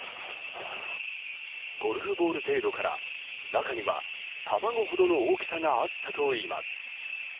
ゴルフボール程度から中には卵ほどの大きさがあったといいます。